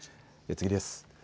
次です。